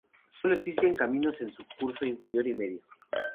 Sólo existen caminos en su curso inferior y medio.